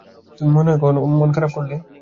তুমি মনে হয় মন-খারাপ করলে?